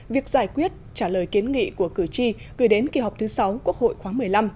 việc giải quyết trả lời kiến nghị của cử tri gửi đến kỳ họp thứ sáu quốc hội khoáng một mươi năm